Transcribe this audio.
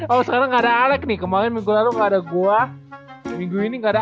oh sekarang nggak ada alek nih kemarin minggu lalu nggak ada gua minggu ini nggak ada